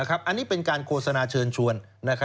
อันนี้เป็นการโฆษณาเชิญชวน